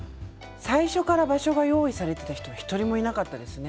最初から場所が用意されていた人は誰もいなかったです。